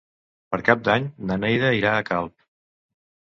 Per Cap d'Any na Neida irà a Calp.